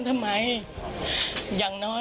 ดีกว่าจะได้ตัวคนร้าย